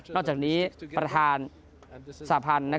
นอกจากนี้ประธานสะพานนะครับ